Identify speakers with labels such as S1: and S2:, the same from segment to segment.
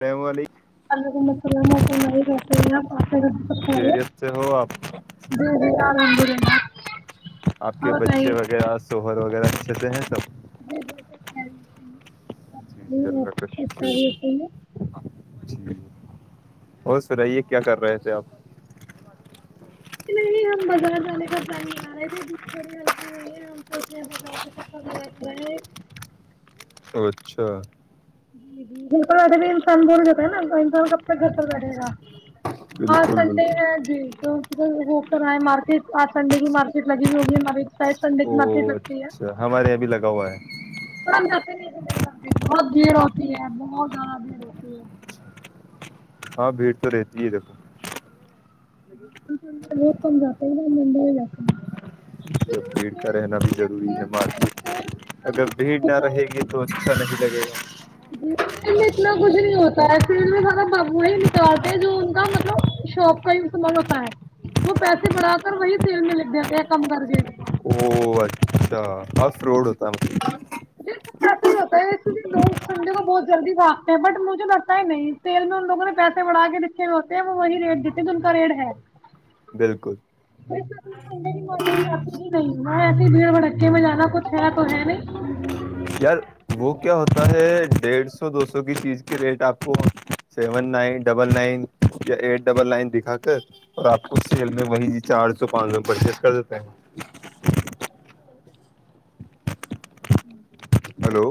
S1: السلام علیکم
S2: ال گم سام ا مائی
S1: خیریت سے ہو آپ
S2: پورائی
S1: کتے ہیں تب
S2: [inaudible]
S1: جی جی اللہ
S2: [inaudible]
S1: ج اور سنائیے کیا کر رہے تھے آپ
S2: چ نہیں ہم بازار جانے کا پلان بنا رہے تھے د تھوڑی ہلکی ہوئی ہے ہم سوچ رہے ہیں بازار کا سا لگا چ رہا ہے
S1: اچھا
S2: جی جی گھر پر بیٹھے بھی انسان بول جاتتا ہے نا انسان کب تک گھر پر بیٹھے گا ہاں
S1: بالکل
S2: سنڈے
S1: بالکل
S2: میں جی تو کر رہا ہے مارکیٹ آج سنڈے کی مارکیٹ لگی ہوئی ہوگی ہماری شاید سنڈے
S1: او
S2: کی مارکیٹ لگتی ہے
S1: اچھا ہمارے یہاں بھی لگا ہوا ہے
S2: پر نہیں بہت بھیڑ ہوتی ہے بہت زیادہ بھیڑ ہوتی ہے
S1: ہاں بھیڑ تو رہتی ہے دیکھو
S2: کم جاتے ہیں منڈا ہی جاتتے ہیں
S1: تو
S2: کیونکہ وہ
S1: بھیڑ کا
S2: سیل
S1: رہنا بھی
S2: ہوتی
S1: ضروری ہے
S2: سیل
S1: مارکیٹ
S2: میں سیل میں اتنا
S1: اگر
S2: کچھ نہیں
S1: بھیڑ نہ
S2: ہوتا
S1: رہے
S2: ہے
S1: گی تو اچھا نہیں لگے گا
S2: جی سیل میں اتنا کچھ نہیں ہوتا ہے سیل میں سدا ب وہی نکل آے جو ان کا مطلب شاپ کا ہی استعمال ہوتا ہے وہ پیسے بڑا کر وہی سیل میں لکھ دیتے ہیں کم کر کے
S1: او اچھا ہف روڈ اتام
S2: پسا ہی ہوتا ہے اس لیے لوگ سنجے کو بہت جلدی بھاگتے ہیں بٹ مجھے لگتا ہی نہیں تیل میں ان لوگوں نے پیسے بڑھا کے دکھے ہو میں ہوتے ہیں وہ وہی ریٹ دیتے جو ان کا ریٹ ہے
S1: بالکل
S2: م جاتی ہی نہیں ایسے بھیڑ بھکے میں جانا کچھ ہے تو ہے نہیں
S1: یار وہ کیا ہوتا ہے ڈیڑھ سو دو سو کی چیز کے ریٹ آپ کو سیون نائن ڈبل نائن یا ایٹ ڈبل نائن دکھا کر اور آپ کو سیل میں وہیں چار سو پانچ سو میں پرچیز کر دیتا ہیں
S2: [inaudible]
S1: ہلو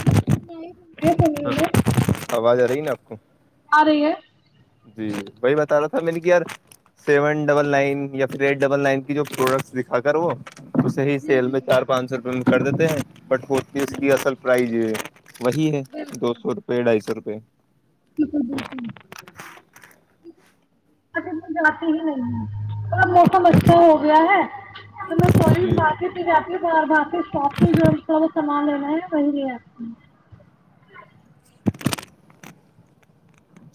S2: جی جی س رہے میں
S1: آواز آ رہی ہے نا آپ کو
S2: آرہی ہے
S1: جی وہی بتا رہا تھا میں نے کہ یار سیون ڈبل نائن یا پ ایٹ ڈبل نائن کی جو پروڈکٹس دکھا کر وہ اسے ہی
S2: جی
S1: سیل
S2: جی
S1: میں چار
S2: جی
S1: پانچ سو روپے میں کر دیتے ہیں بٹ ہوتی اس کی اصل پرائز ہے وہی ہے دو
S2: بالکل
S1: سو روپے ڈھائی سو روپے [inaudible]
S2: بالکل بکلک میں جاتی ہی نہیں ہب موسم اچھا ہو گیا ہے تو میں کوئی
S1: جی
S2: مارکیٹ میں جاتی ہوں باہر با کے شاپ جو ہم تھوڑا سامان لینا ہے وہی لے آتی ہوں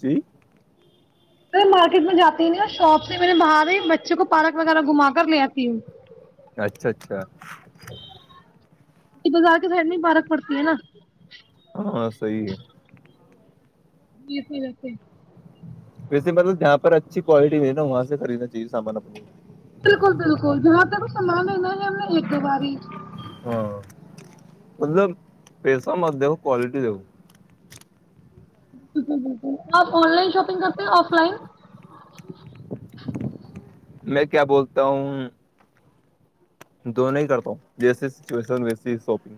S1: جی
S2: مارکیٹ میں جاتی نہیں اور شاپ سے میں نے باہر ہی بچے کو پالک وغیرہ گھما کر لے آتی ہوں
S1: اچھا اچھا
S2: بازار کے سائڈ میں ہی پارک پڑتی ہے نا
S1: ہاں صی ہے
S2: جی پ رف
S1: ویسے مطلب جہاں پر اچھی کوالٹی میں ہے نا وہاں سے خریدنا چاہیے سامان اپنے
S2: بالکل بالکل جاں تک سامان لین ہے ہم نے ایک دو بار
S1: ہاں مطلب پیسہ مت د کوالٹی د
S2: بالکل بالکل آپ آن لائن شاپنگ کرتے آف لائن
S1: میں کیا بولتا ہوں دونوں ہی کرتا ہوں جیسی سچوشن ویسی شاپنگ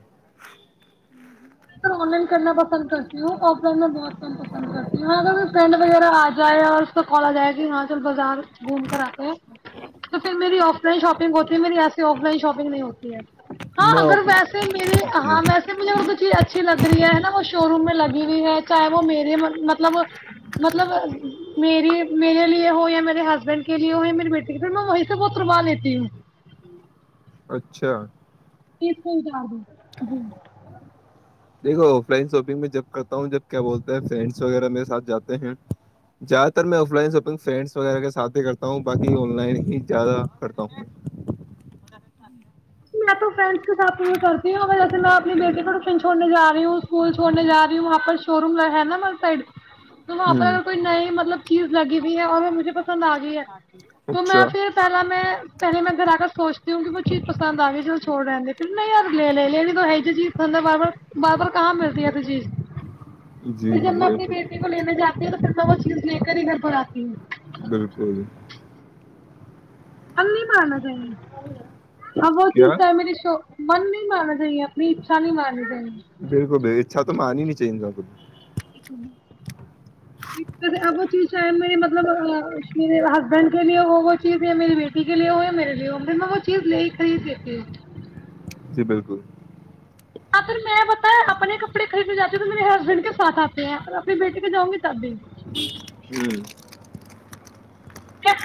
S2: ا آن لائن کرنا پسند کرتی ہوں آف لائن میں بہت م پسند کرتی ہوں اگر فرینڈ وغیرہ آ جائے اور اس کو کالا جائے کہ ہاچل بازار گھوم کر آتے ہیں تو پھر میری آف لائن شاپنگ ہوتی ہے میری ایسی آف لائن شاپنگ نہیں ہوتی ہے ہاں اگر
S1: میں
S2: ویسے میرے
S1: جی
S2: ہاں ویسے چیز اچھی لگ رہی ہے نا وہ شو روم میں لگی ہوئی ہے چاہے وہ مے مطلب مطلب م میرے لیے ہو یا میرے ہسبینڈ کے لیے ہو میری بیٹٹی کے لیے میں وہی سے وہ تروا لیتی ہوں
S1: اچھا
S2: ت س جا دو جی
S1: دیکھو آف لائن شاپنگ میں جب کرتا ہوں جب کیا بولتے ہیں فرینڈس وغیرہ میرے ساتھ جاتے ہیں زیادہ تر میں آف لائن شاپنگ فرینڈس وغیرہ کے ساتھ ہی کرتا ہوں باقی آن لائن ہی زیادہ کرتا ہوں
S2: میں تو فرینڈس کے ساتھ کرتی ہوں جیسے میں اپنی بیٹی کو ٹیشن چھڑنے جا رہی ہوں اسکول چھوڑنے جای ہوں وہاں پر شو روم ہے نا م سائڈ تو
S1: ہوں
S2: اپپنے کوئی نہیں مطلب چیز لگی ہوئی ہے اور وہ مجھے پسند آ گئی ہے تو میں
S1: اچھا
S2: پھر پہلا میں پہلے میں گھر کر سوچتی ہوں وہ چیز پ آ چ چھوڑ رہ پھر نہیں یار لے لے لےین تو یہ جی چیز س بار بار بار بار کہاں ملتی ہے ا تو چیز
S1: جی
S2: پھر جب میں اپنی
S1: بالکل
S2: بیٹی کو لینے جاتی ہوں تو پھر میں وہ چیز لے کر ہی گھر پر آتی ہوں
S1: بالکل
S2: ہمم نہیں پارنا چاہیے ا وہ
S1: کیا
S2: چیتا ہے میرری شو من نہیں مان رہی اپنی اچھا نہیں مانتے ہیں
S1: بالکل ب اچھا تو میں آ ہی نہیں چاہی گ تھا کھ
S2: ایک مٹ اب وہ چیز چاہ مری مطلب ہسبینڈ کے لیے ہو وہ چیز یا میری بیٹی کے لیے ہو یا میرے لیے ہو پھر میں وہ چیز لے ہی خرید لیتی ہوں
S1: جی بالکل
S2: اگر میں بتا اپنے کپڑے خریدنے جاتی ہ تو میرے ہسبینڈ کے ساتھ آتے ہیں ا اپنی بیٹی کے جاؤں گی تب بھی
S1: ہوں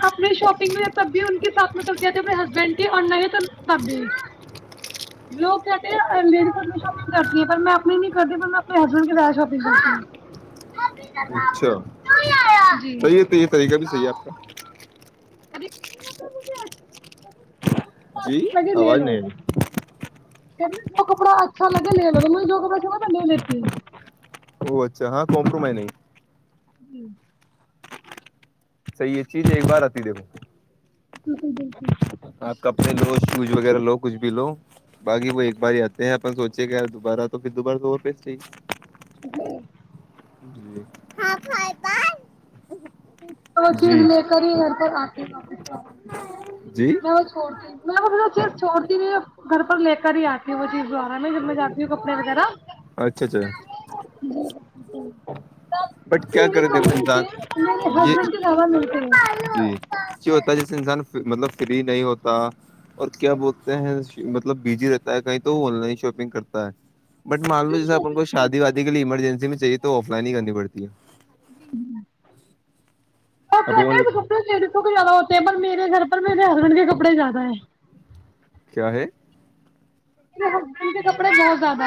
S2: اپنے شاپنگ میں تب بھی ان کے ساتھ میں سب کیاتے اپنے ہسبینڈ کی اور نہیں تو تب بھی لوگ کہتے ہیں اپنی شاپگ کرتی ہیں پر میں اپنی نہیں کرتی پر میں اپنے ہسبینڈ کیہ شاپگ کرتی ہوں
S1: اچھا
S2: جی
S1: صی ہے تو یہ طریقہ بھی صحیح ہے آپ کا
S2: ا م
S1: جی آواز نہیں رہئی
S2: جو کپڑا اچھا لگے ل لے جو کپڑا چوا تھا ن لیتی ہے
S1: ا اچھا ہاں کمپرومائ نہیں
S2: جی [unintelligible]
S1: صحیح ہے چیز ایک بار آتی دیکھو
S2: بالکل بالکل
S1: آپ کپڑے لو شوز وغیرہ لو کچھ بھی لو باقی وہ ایک بار ہی آتے ہیں اپن سوچے کہ یار دوبارہ تو پھر دوبارہ تو اور پج چاہیے
S2: ج [unintelligible] اچ [unintelligible] تو وہ چیز
S1: جی
S2: لے کر ہی گھر پر آتی ہیں اچھا
S1: جی
S2: [unintelligible] میں وہ چھوڑتی ہوں میں وہ چیز چھوڑتی نہیں گھر پر لے کر ہی آتی ہوں وہ چیز دوارہ میں جب میں جاتی ہوں کپڑے وغیرہ
S1: اچھا اچھا
S2: جی
S1: بٹ کیا کر د م جان [unintelligible]
S2: بینڈ جا متے
S1: کیوں
S2: [unintelligible]
S1: ہوتا ہے جیسے انسان مطلب فری نہیں ہوتا اور کیا بولتے ہیں مطلب بزی رہتا ہے کہیں تو آن لائن شاپنگ کرتا ہے بٹ مان لو جیس آپ کو شادی وادی کے لیے ایمرجنسی میں چیے تو آف لائن ہی کرنی پڑتی ج [unintelligible]
S2: بھی [unintelligible] بپ
S1: اب وہ
S2: ک [unintelligible] زیادہ ہوتے ہیں پر میرے گھر پر میرے ہسبینڈ کے کپڑے زیادہ ہے
S1: کیا ہے
S2: میرے ہسبینڈ کے کپڑے بہت زیادہ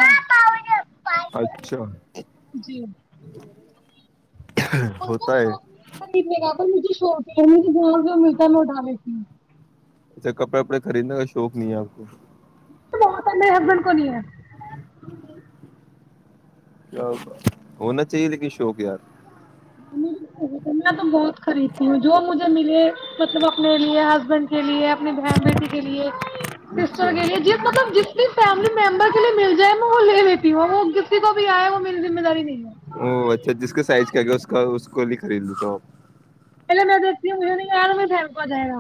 S1: اچھا
S2: م کا
S1: ہوتا ہے
S2: شوق نہیں ہے میرا [unintelligible] تو مجھے شوق ہے مجھے جہاں سے ملتا ہے لوٹانے کی
S1: اچھا کپےپڑے خریدنے کا شوق نہیں ہے آپ کو
S2: تو میرے ہسبینڈ کو نہیں ہے
S1: ہونا چاہیے لیکن شوق یار
S2: میں تو بہت خریدتی ہوں جو مجھے ملے مطلب اپنے لیے ہسبینڈ کے لیے اپنی بہن بیٹی کے لیے سسٹر
S1: اچھا
S2: کے لیے جس مطلب جس بھی فیملی ممبر کے لیے مل جائے میں وہ لے لیتی ہوں اور وہ جسی کو بھی آئے وہ میری ذمہ داری نہیں ہے [unintelligible]
S1: کیا اس کا اس کو لیے خرید لیتا
S2: پہلے میں دیکھتی ہوں مجھے نہیں آرا میری بہن کو آ جائے گا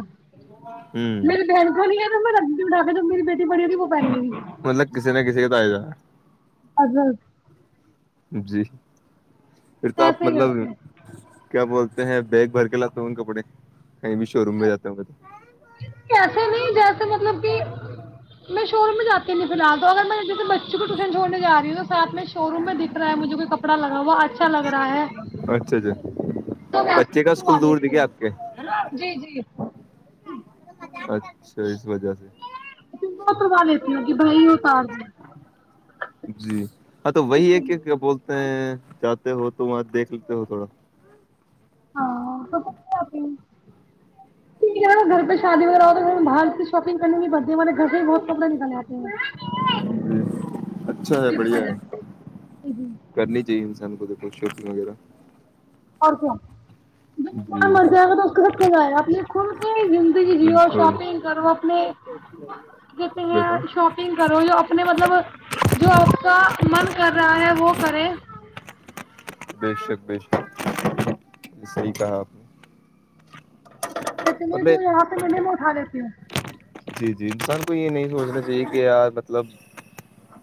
S1: آپ۔
S2: میری
S1: ہوں
S2: بہن کوڑ ہے رنز کیو مانانا جب میری بٹی بڑی ہوگی تب وہ پہن لیگی
S1: مطلب کسی نہ کسی کا تو آ ئی جائے گا
S2: گی
S1: جی پھرتو آپ
S2: ایسے
S1: مطلب
S2: کرتے ہیں،
S1: کیا بولتے ہیں بیگ بھر کے لاتا ہوں کپڑے کہیں بھی شو روم میں جاتے ہوںگے تو
S2: ایسے نہیں جیسے مطلب کہ میں شو روم میں جاتی نہیں فی الحال تو اگر میں جیسے بچوں کو ٹیوشن چھوڑنے جا رہی ہوں تو ساتھ میں شو روم میں دکھ رہا مجھے کو کپڑا لگا اچھا لگ رہا ہے
S1: اچھا اچھا
S2: تو میں ایسے
S1: بچے کا
S2: اتروا
S1: اسکول دور ہ
S2: لیتی
S1: کیا
S2: ہوں
S1: آپ کے
S2: جی جی
S1: اچھا اس وجہ سے
S2: بہت پروا لیتی کہ بھائی اتار
S1: جی ہاں تو وہی ہے کہ کیا بولتے ہیں جاتے ہو تو وہاں دیکھ لیتے ہو تھوڑا
S2: ہاں تو آیک ہے گھر پہ شادی وغہرا ہو باہر شاپنگ کرنی پڑتیارے گھر سے بہت نکنے آتے ہیں
S1: جی اچھا ہے
S2: اس
S1: بڑھیا
S2: وجہ
S1: ہے کرنی چاہیے ا سان کو تو م وغیرہ [unintelligible]
S2: اور کیا ج بار
S1: جی
S2: مرض آ گا تو اس کے ہے ل آیا آپ یہ [unintelligible] کلتی [unintelligible] نی زندگی جیو
S1: بالکل
S2: شاپنگ کرو اپنےتے
S1: بیٹا
S2: شاپنگ کرو اپنے مطلب جو آپ کا من کر رہا ہے وہ کرے
S1: بے شک بےشک یہ صی کہا آپ نے
S2: اچھ ایسے میں جو
S1: مطلب
S2: یہاں پہ میںلیے وہ اٹھا لیتی ہوں
S1: جی جی انسان کو یہ نہیں سوچنا چاہیے کہ یار مطلب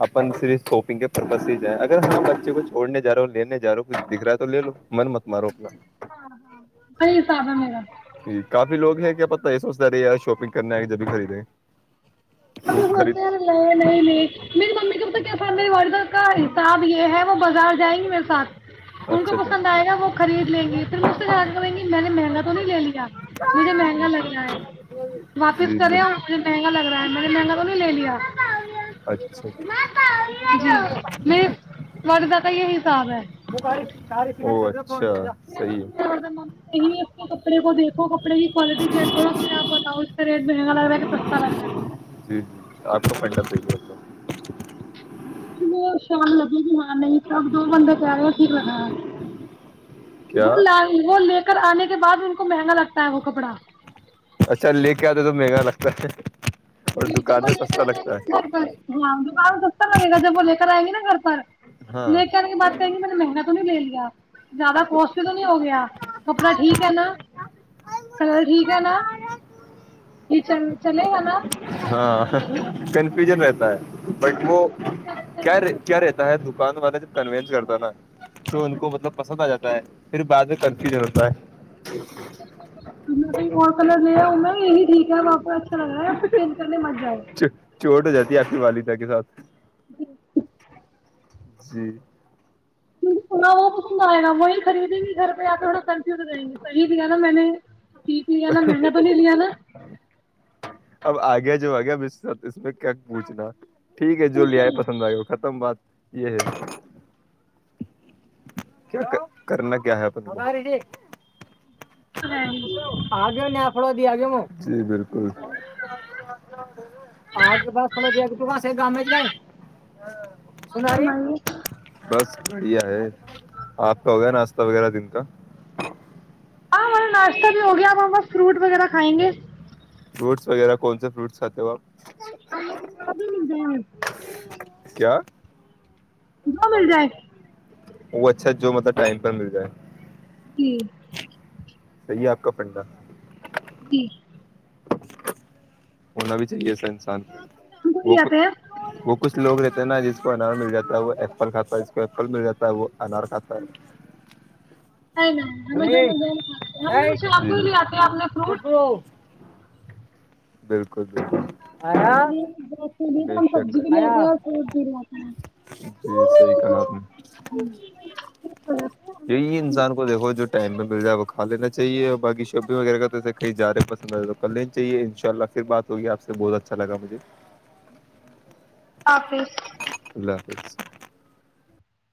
S1: اپن صرف ساپنگ کے پرپز سے جائے اگر ہ بچے کو چھوڑنے جا رہا ہو لینے جا رہا ہو کچھ دکھ رہا ہے تو لے لو من مت مارو
S2: جی جی
S1: اپنا
S2: ہاں ہاں [inaudible] کمابہ میرا [unintelligible]
S1: کافی لوگ ہیں کیا پت یہ سوچتا رہی یار ساپنگ کرنے آئے جب بھی خریدیں گ
S2: ابھی سوچتے ہے نہیں نہیں میری ممی س میری وردہ کا حساب یہ ہے وہ بازار جائیں گی میرے ساتھ ان کو
S1: اچھا
S2: پسند
S1: اچھا
S2: آئے گا وہ خرید لیں گی پھر مجھ سے خیال کریں گی میں نے مہنگا تو نہیں لے لیا مجھے مہنگا لگ رہا ہے واپس
S1: جی
S2: کرے
S1: بالکل
S2: مجھے مہنگا لگ رہا ہے مہنگا تو نہیں لے لیا
S1: اچھا
S2: جی میرے
S1: کیا
S2: والدہ کا یہ
S1: وہال [unintelligible]
S2: م صینے کپڑے کو دیکھو کپڑے کی کوالٹی چیک کرو پ آپ بتارے [unintelligible] مہنگا لگ رہ ہے کہ سستا لگ رہ ہے
S1: جی جی آپ کو پن [unintelligible]
S2: شان لگے گی ہاں نہیں سب دو بند کہہ رہے ٹھیک ل رہا ہے [unintelligible]
S1: کیا
S2: بول بولے [unintelligible] آنے کے بعد ان کو مہنگا لگتا ہے وہ کپڑا
S1: اا لی کے کیا تھا تو مہگاا لگتا [unintelligible]
S2: بیٹے
S1: دکان
S2: کو
S1: پہ
S2: لے کر
S1: سستا
S2: آ جائیں گی
S1: لگتا
S2: نا
S1: ہے
S2: گھر پرؤ تو [unintelligible] مے گ جبے کر آیں گی ن گھر پر [unintelligible]
S1: ہاں
S2: نہیں کرنے کی باتیں گی م نے مہنگ [unintelligible] نہیں لے لیا زیادہ کوسٹ تو نہیں ہو گیا کپڑا ٹھیک ہے نا کلر ٹھیک ہے نا یہ چ چلےوانا [unintelligible]
S1: ہاں کنفیوژن رہتا ہے بٹ وہ کیا کیا رہتا ہے دکان والے سے کنوینس کرتا نا جو ان کو مطلب پسند آ جاتا ہے پھر بعد میں
S2: جی
S1: کنفیوژن ہوتا ہے
S2: کئی اور کلر لیا ان میں یہیٹیک ہے آپ کو اچھا لگا ہے کھیت کرنے جاؤ
S1: چوٹ ہو جاتی ہے آپنی والی تو کے ساتھ
S2: جی
S1: جی
S2: کہاں وہ پسند آئے گا وہی خریدیں گی گھر پہ آ تھوڑا کنفیویں گے صحیح دیا نا میں نے ٹھیک لیا نا مہنگا تو نہیں لیا نا
S1: اب آ گیا جو آ گیا اب سھ اس میں کیا پوچھنا ٹھیک ہے جو آئے پسند آئے ختم بات یہ ہے کیا کرنا کیا ہے اپنا
S2: تو ہے
S1: گوس
S2: ہی اور فرمائیے
S1: بس ہے آپ کا ہو گیا وغیرہ دن کا
S2: ہاں ہما ناشتہ بھی ہو گیا آپ ہم فرو وغیرہ کھائیں گے
S1: فروٹس وغیرہ کون سے فروٹس کاتے ہوپ
S2: آ کو پڑا بھی مل
S1: کیا
S2: جو
S1: دو
S2: مل جائے
S1: دن وہ اچھا جو مطلب ٹائم پر مل جائے
S2: جی
S1: یاق پنڈا
S2: جی
S1: اننا بھی چاہیے
S2: ہم کو لے
S1: وہک
S2: آتے ہیں
S1: وہ کچھوگ رہتے ہیں نا جس کو انار مل جاتا ہے وہ ایپل کھاتا ہے جس کو ایپل مل جاتا ہے وہ انار کھاتا ہے
S2: نہیں نہیں ہم جو مھ شہر کو
S1: جی
S2: ہی لے آتے اپنے فروٹ
S1: بالکل بالکل بے شک
S2: سبزی بھی اور فروٹ بھی
S1: جی صحیح کہا آپ نے یہی
S2: اللہ
S1: انسان کو دیکھو جو ٹائم میں مل جائے ہے وہ کا لینا چاہیے اور باقی شاپنگ وغیرہ کا توے کہیں جا رہے ہیں پسند تو کر لینی چاہیے ان شاء اللہ پھر بات ہوگی آپ سے بہت اچھا لگا مجھے
S2: آفظ
S1: اللہ حافظ